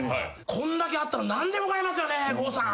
「こんだけあったら何でも買えますよね郷さん！」